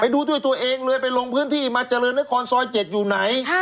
ดูด้วยตัวเองเลยไปลงพื้นที่มาเจริญนครซอย๗อยู่ไหน